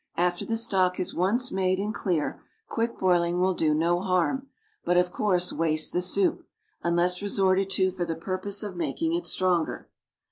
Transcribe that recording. After the stock is once made and clear, quick boiling will do no harm, but of course wastes the soup, unless resorted to for the purpose of making it stronger.